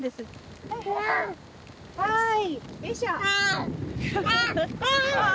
はい。